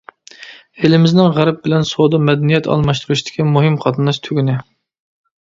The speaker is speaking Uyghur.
ئېلىمىزنىڭ غەرب بىلەن سودا، مەدەنىيەت ئالماشتۇرۇشتىكى مۇھىم قاتناش تۈگۈنى.